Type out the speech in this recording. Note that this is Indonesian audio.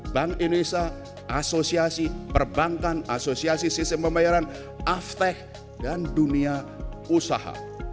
bank indonesia asosiasi perbankan asosiasi sistem pembayaran afteh dan dunia usaha